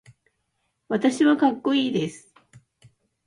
私はかっこいいです。